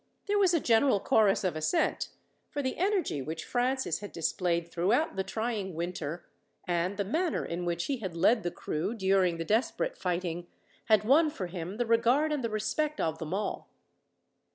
There was a general chorus of assent, for the energy which Francis had displayed throughout the trying winter, and the manner in which he had led the crew during the desperate fighting, had won for him the regard and the respect of them all.